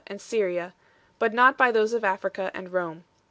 and Syria, but not by those of Africa and Rome.